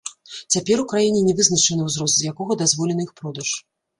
Цяпер у краіне не вызначаны ўзрост, з якога дазволены іх продаж.